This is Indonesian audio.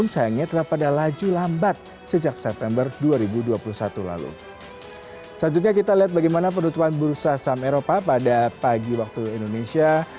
selanjutnya kita lihat bagaimana penutupan bursa saham eropa pada pagi waktu indonesia